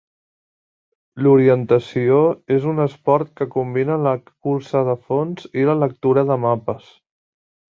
L'orientació és un esport que combina la cursa de fons i la lectura de mapes